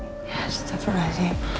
ya setepa kasih